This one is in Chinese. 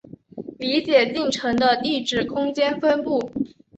理解进程的地址空间分布